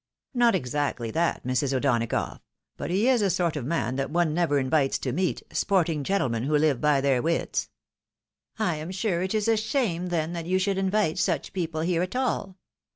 " Not exactly that, Mrs. O'Donagough. But he is a sort of man that one never invites to meet — sporting gentlemen, who live by their wits." " I am sure it is a shame, then, that you should invite such people here at all.